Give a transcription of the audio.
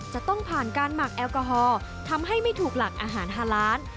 จะต้องผ่านการหมักแอลกอฮอล์ทำให้ไม่ถูกหลักอาหารฮาล้าน